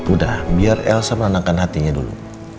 udah biar elsa menenangkan hatinya dulu